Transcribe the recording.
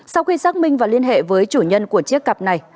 sau khi xác minh và liên hệ với chủ nhân của chiếc cặp này